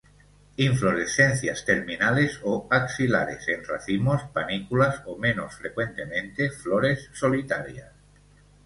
Inflorescencias terminales o axilares, en racimos, panículas o menos frecuentemente flores solitarias.